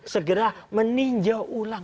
segera meninjau ulang